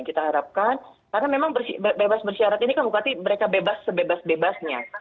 kita harapkan karena memang bebas bersyarat ini kan bupati mereka bebas sebebas bebasnya